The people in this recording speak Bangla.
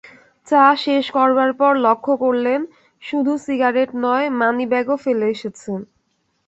চা শেষ করবার পর লক্ষ করলেন, শুধু সিগারেট নয়, মানিব্যাগও ফেলে এসেছেন।